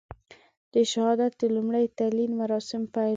د شهادت د لومړي تلین مراسم پیل وو.